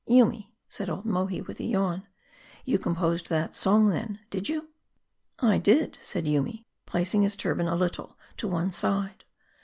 " Yoomy," said old Mohi with a yawn, " you composed that song, then, did you ?"" I did," said Yoomy, placing his turban a little to one side.